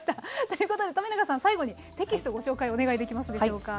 ということで冨永さん最後にテキストご紹介お願いできますでしょうか。